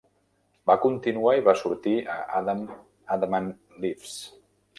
Va continuar i va sortir a Adam Adamant Lives!